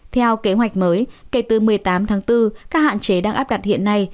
theo kế hoạch mới kể từ một mươi tám tháng bốn các hạn chế đang áp đặt hiện nay